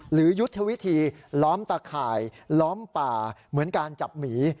ยุทธวิธีล้อมตะข่ายล้อมป่าเหมือนการจับหมี